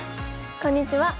こんにちは。